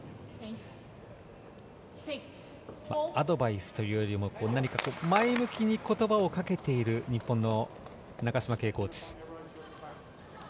アドバイスというよりも何か、前向きに言葉をかけている日本の中島慶コーチ。